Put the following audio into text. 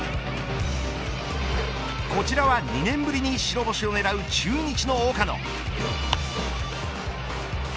こちらは２年ぶりに白星を狙う中日の岡野。